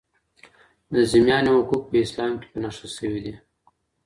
د ذمیانو حقوق په اسلام کي په نښه سوي دي.